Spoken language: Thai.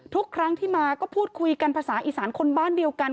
ทุกครั้งที่มาก็พูดคุยกันภาษาอีสานคนบ้านเดียวกัน